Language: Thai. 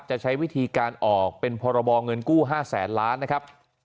จะใช้วิธีการออกเป็นพรบเงินกู้๕แสนล้านนะครับ